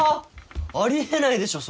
あり得ないでしょ。